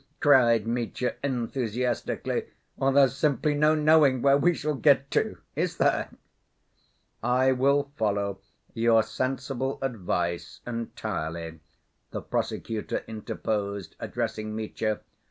cried Mitya enthusiastically. "Or there's simply no knowing where we shall get to! Is there?" "I will follow your sensible advice entirely," the prosecutor interposed, addressing Mitya.